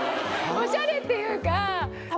「おしゃれ」っていうか。